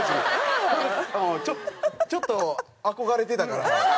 ちょっと憧れてたから。